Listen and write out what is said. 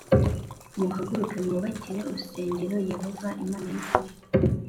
muhaguruke mwubakire urusengeroi Yehova Imana y ukuri